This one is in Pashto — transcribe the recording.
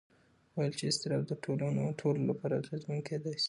هغه وویل چې اضطراب د ټولو لپاره اغېزمن کېدای شي.